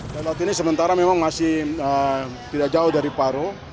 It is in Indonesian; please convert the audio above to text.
dan waktu ini sementara memang masih tidak jauh dari paro